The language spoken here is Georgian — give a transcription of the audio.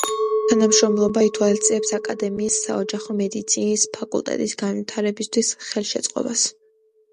თანამშრომლობა ითვალისწინებს აკადემიის საოჯახო მედიცინის ფაკულტეტის განვითარებისათვის ხელშეწყობას.